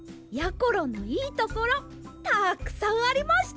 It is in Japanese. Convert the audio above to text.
ころのいいところたくさんありました！